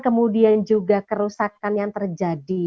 kemudian juga kerusakan yang terjadi